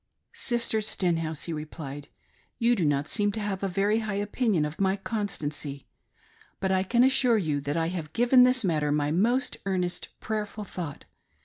" Sister Stenhouse," he replied, " you d» not seem to have a very high opinion of my constancy ; but I can assure youi that I have given this matter my most earnest, prayerful thought.